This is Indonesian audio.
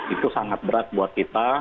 itu sangat berat buat kita